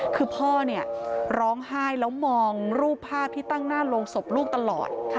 คือพ่อเนี่ยร้องไห้แล้วมองรูปภาพที่ตั้งหน้าโรงศพลูกตลอด